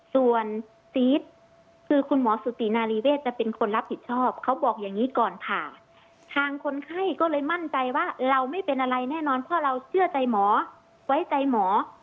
ส่วนซีสคือคุณหมอสุตินารีเวศจะเป็นคนรับผิดชอบเขาบอกอย่างนี้ก่อนค่ะทางคนไข้ก็เลยมั่นใจว่าเราไม่เป็นอะไรแน่นอนเพราะเราเชื่อใจหมอไว้ใจหมอ